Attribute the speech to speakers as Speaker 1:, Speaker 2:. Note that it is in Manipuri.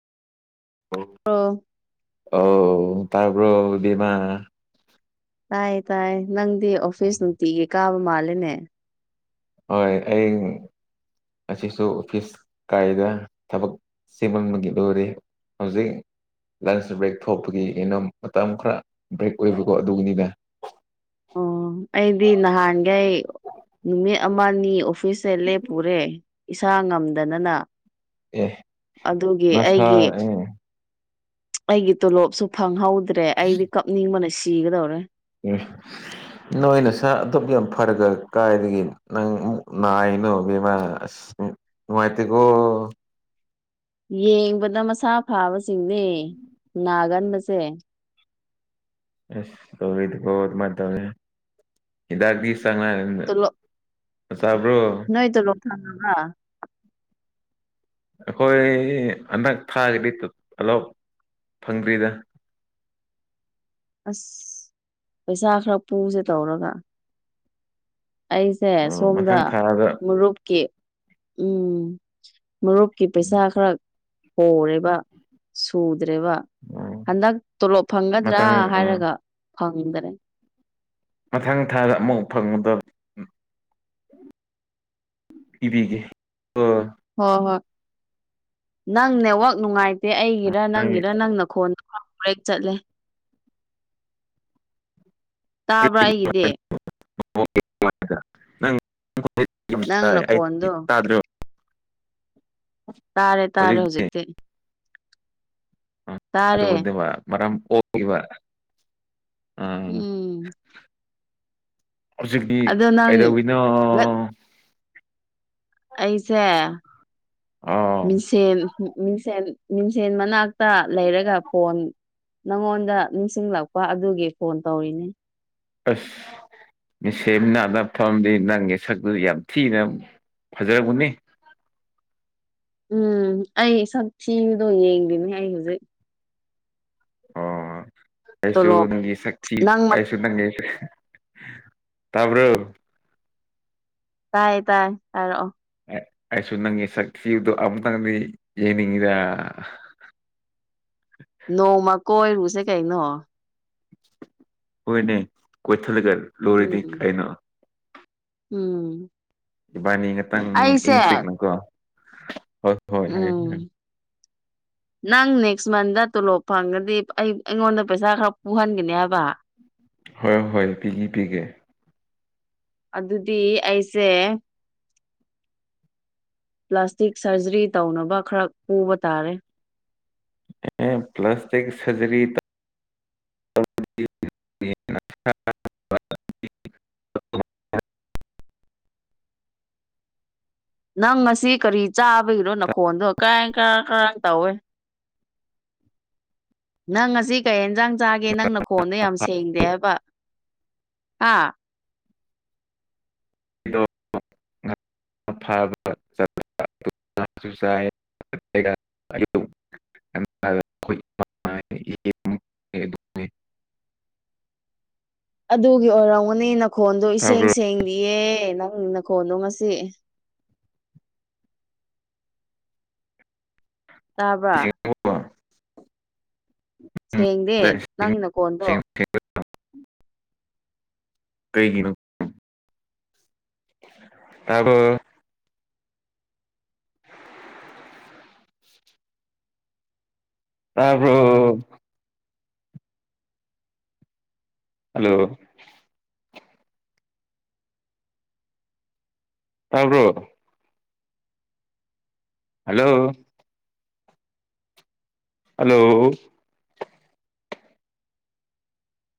Speaker 1: ꯑꯣ
Speaker 2: ꯑꯣ ꯇꯥꯔꯕ꯭ꯔꯣ ꯏꯕꯦꯝꯃꯥ
Speaker 1: ꯇꯥꯏ ꯇꯥꯏ ꯅꯪꯗꯤ ꯑꯣꯐꯤꯁ ꯅꯨꯡꯇꯤꯒꯤ ꯀꯥꯕ ꯃꯥꯜꯂꯦꯅꯦ
Speaker 2: ꯍꯣꯏ ꯑꯩ ꯉꯁꯤꯁꯨ ꯑꯣꯐꯤꯁ ꯀꯥꯏꯗ ꯊꯕꯛ ꯆꯤꯃꯟꯕꯒꯤ ꯂꯣꯏꯔꯦ ꯍꯧꯖꯤꯛ ꯂꯟꯁ ꯕ꯭ꯔꯦꯛ ꯊꯣꯛꯄꯒꯤ ꯀꯩꯅꯣ ꯃꯇꯝ ꯈꯔ ꯕ꯭ꯔꯦꯛ ꯑꯣꯏꯕꯀꯣ ꯑꯗꯨꯒꯤꯅꯤꯗ
Speaker 1: ꯑꯣ ꯑꯩꯗꯤ ꯅꯍꯥꯟꯒꯩ ꯅꯨꯃꯤꯠ ꯑꯃ ꯑꯅꯤ ꯑꯣꯐꯤꯁꯇꯦ ꯂꯦꯞꯄꯔꯦ ꯏꯁꯥ ꯉꯝꯗꯅꯅ
Speaker 2: ꯑꯦ
Speaker 1: ꯑꯗꯨꯒꯤ
Speaker 2: ꯅꯁꯥ
Speaker 1: ꯑꯩꯒꯤ
Speaker 2: ꯑꯦ
Speaker 1: ꯑꯩꯒꯤ ꯇꯣꯂꯣꯞꯁꯨ ꯐꯪꯍꯧꯗ꯭ꯔꯦ ꯑꯩꯗꯤ ꯀꯞꯅꯤꯡꯕꯅ ꯁꯤꯒꯗꯧꯔꯦ
Speaker 2: ꯎꯝ [unintelligible] ꯅꯣꯏ ꯅꯁꯥ ꯑꯗꯨꯛ ꯌꯥꯝ ꯐꯔꯒ ꯀꯥꯏꯗꯒꯤ ꯅꯪ ꯑꯃꯨꯛ ꯅꯥꯏꯅꯣ ꯏꯕꯦꯝꯃ꯫ ꯅꯨꯉꯥꯏꯇꯦꯀꯣ
Speaker 1: ꯌꯦꯡꯕꯗ ꯃꯁꯥ ꯐꯥꯕꯁꯤꯡꯗꯦ ꯅꯥꯒꯟꯕꯖꯦ
Speaker 2: ꯑꯁ [unintelligible] ꯍꯤꯗꯥꯛꯇꯤ [unintelligible]
Speaker 1: ꯇꯣꯂꯣꯞ
Speaker 2: ꯆꯥꯕ꯭ꯔꯣ
Speaker 1: ꯅꯣꯏ ꯇꯣꯂꯣꯞ ꯐꯪꯉꯕ
Speaker 2: ꯑꯩꯈꯣꯏ ꯍꯟꯗꯛ ꯊꯥꯒꯤꯗꯤ ꯇꯣꯂꯣꯞ ꯐꯪꯗ꯭ꯔꯤꯗ
Speaker 1: ꯑꯁ ꯄꯩꯁꯥ ꯈꯔ ꯄꯨꯁꯦ ꯇꯧꯔꯒ ꯑꯩꯁꯦ
Speaker 2: ꯑꯥ
Speaker 1: ꯁꯣꯝꯗ
Speaker 2: ꯃꯊꯪ ꯊꯥꯗ
Speaker 1: ꯃꯔꯨꯞꯀꯤ ꯎꯝ ꯃꯔꯨꯞꯀꯤ ꯄꯩꯁꯥ ꯈꯔ ꯍꯣꯔꯦꯕ ꯁꯨꯗ꯭ꯔꯦꯕ
Speaker 2: ꯑꯥ
Speaker 1: ꯍꯟꯗꯛ ꯇꯣꯂꯣꯞ ꯐꯪꯒꯗ꯭ꯔꯥ
Speaker 2: ꯃꯊꯪ ꯑꯥ
Speaker 1: ꯍꯥꯏꯔꯒ ꯐꯪꯗꯔꯦ
Speaker 2: ꯃꯊꯪ ꯊꯥꯗ ꯑꯃꯨꯛ ꯐꯪꯕꯗ ꯄꯤꯕꯤꯒꯦ ꯑ
Speaker 1: ꯍꯣꯏ ꯍꯣꯏ ꯅꯪ ꯅꯦꯋꯥꯛ ꯅꯨꯡꯉꯥꯏꯇꯦ ꯑꯩꯒꯤꯔ ꯅꯪꯒꯤꯔ ꯅꯪ ꯅꯈꯣꯟ [unintelligible] ꯆꯠꯂꯦ ꯇꯥꯕ꯭ꯔꯥ ꯑꯩꯒꯤꯗꯤ ꯅꯪ ꯅꯈꯣꯟꯗꯣ
Speaker 2: [unintelligible] ꯇꯥꯗ꯭ꯔꯣ
Speaker 1: ꯇꯥꯔꯦ ꯇꯥꯔꯦ ꯍꯧꯖꯤꯛꯇꯤ
Speaker 2: ꯑꯗꯨ
Speaker 1: ꯇꯥꯔꯦ
Speaker 2: ꯎꯗꯕ ꯃꯔꯝ ꯑꯣꯏꯕ ꯑ
Speaker 1: ꯎꯝ
Speaker 2: ꯍꯧꯖꯤꯛꯇꯤ
Speaker 1: ꯑꯗꯣ ꯅꯪ
Speaker 2: ꯀꯩꯗꯧꯋꯤꯅꯣ
Speaker 1: ꯉꯠ ꯑꯩꯁꯦ
Speaker 2: ꯑꯥꯎ
Speaker 1: ꯃꯤꯡꯁꯦꯟ ꯃꯤꯡꯁꯦꯟ ꯃꯤꯡꯁꯦꯟ ꯃꯅꯥꯛꯇ ꯂꯩꯔꯒ ꯐꯣꯟ ꯅꯉꯣꯟꯗ ꯅꯤꯡꯁꯤꯡꯂꯛꯄ ꯑꯗꯨꯒꯤ ꯐꯣꯟ ꯇꯧꯔꯤꯅꯤ
Speaker 2: ꯑꯁ ꯃꯤꯁꯦꯟ ꯃꯅꯥꯛꯇ ꯐꯝꯗꯤ ꯅꯪꯒꯤ ꯁꯛꯇꯨ ꯌꯥꯝ ꯊꯤꯅ ꯐꯖꯔꯒꯝꯅꯤ
Speaker 1: ꯎꯝ ꯑꯩ ꯁꯛꯊꯤꯗꯣ ꯌꯦꯡꯗꯅꯦ ꯑꯩ ꯍꯧꯖꯤꯛ
Speaker 2: ꯑꯣ ꯑꯩꯁꯨ
Speaker 1: ꯇꯣꯂꯣꯞ
Speaker 2: ꯅꯪꯒꯤ ꯁꯛ ꯊꯤ
Speaker 1: ꯅꯪ ꯃꯠ
Speaker 2: ꯑꯩꯁꯨ [unintelligible] ꯇꯥꯕ꯭ꯔꯣ
Speaker 1: ꯇꯥꯏꯌꯦ ꯇꯥꯏꯌꯦ ꯍꯥꯏꯔꯛꯑꯣ
Speaker 2: ꯑꯩꯁꯨ ꯅꯪꯒꯤ ꯁꯛ ꯊꯤꯕꯗꯣ ꯑꯃꯝꯛꯇꯪꯗꯤ ꯌꯦꯡꯅꯤꯡꯉꯤꯗ꯫
Speaker 1: ꯅꯣꯡꯃ ꯀꯣꯏꯔꯨꯖꯦ ꯀꯩꯅꯣ
Speaker 2: ꯍꯣꯏꯅꯦ ꯀꯣꯏꯊꯠꯂꯒ ꯂꯣꯏꯔꯗꯤ
Speaker 1: ꯎꯝ
Speaker 2: ꯀꯩꯅꯣ
Speaker 1: ꯎꯝ
Speaker 2: ꯏꯕꯥꯅꯤ ꯉꯇꯪ ꯏꯪ
Speaker 1: ꯑꯩꯁꯦ
Speaker 2: ꯆꯤꯛꯅꯀꯣ ꯍꯣꯏ ꯍꯣꯏ ꯍ
Speaker 1: [unintelligible] ꯅꯪ ꯅꯦꯛꯁ ꯃꯟꯗ ꯇꯣꯂꯣꯞ ꯐꯪꯒꯗꯤ ꯑꯩ ꯑꯩꯉꯣꯟꯗ ꯄꯩꯁꯥ ꯈꯔ ꯄꯨꯍꯟꯒꯅꯦ ꯍꯥꯏꯕ [unintelligible]
Speaker 2: ꯍꯣꯏ ꯍꯣꯏ ꯄꯤꯒ ꯄꯤꯒꯦ
Speaker 1: ꯑꯗꯨꯗꯤ ꯑꯩꯁꯦ ꯄ꯭ꯂꯥꯁꯇꯤꯛ ꯁꯔꯖꯔꯤ ꯇꯧꯅꯕ ꯈꯔ ꯄꯨꯕ ꯇꯥꯔꯦ
Speaker 2: ꯑꯦ ꯄ꯭ꯂꯥꯁꯇꯤ ꯁꯔꯖꯔꯤ
Speaker 1: ꯅꯪ ꯉ ꯀꯔꯤ ꯆꯥꯕꯒꯤꯅꯣ ꯅꯈꯣꯟꯗꯣ ꯀꯔꯥꯏ ꯀꯔꯥꯡ ꯀꯔꯥꯡ ꯇꯧꯏꯦ ꯅꯪ ꯑꯁꯤ ꯑꯁꯤ ꯀꯩ ꯏꯟꯖꯥꯡ ꯆꯥꯒꯦ ꯅꯪꯅ ꯈꯣꯟꯗꯣ ꯌꯥꯝ ꯁꯦꯡꯗꯦ ꯍꯥꯏꯕ ꯍꯥꯥ
Speaker 2: ꯐꯁ ꯍꯥꯏꯣ ꯑꯩꯈꯣꯏ
Speaker 1: ꯑꯗꯨꯒꯤ ꯑꯣꯏꯔꯝꯒꯅꯤ ꯅꯈꯣꯟꯗꯣ ꯏꯁꯦꯡ
Speaker 2: ꯇꯥꯕ꯭ꯔꯣ
Speaker 1: ꯁꯦꯡꯅꯤꯌꯦ ꯅꯪ ꯅꯈꯣꯟꯗꯣ ꯉꯁꯤ ꯇꯥꯕ꯭ꯔ ꯁꯦꯡꯗꯦ ꯅꯪꯒꯤ ꯅꯀꯣꯟꯗꯣ
Speaker 2: [unintelligible] ꯀꯩꯒꯤꯅꯣ ꯇꯕꯨꯣ ꯇꯕꯣ ꯍꯜꯂꯣ ꯇꯪꯒꯣ ꯍꯜꯂꯣ ꯍꯜꯂꯣ